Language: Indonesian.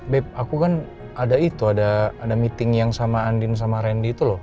bab aku kan ada itu ada meeting yang sama andin sama randy itu loh